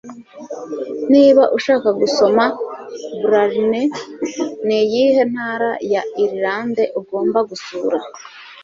Niba ushaka gusoma Blarney niyihe ntara ya Irlande ugomba gusura?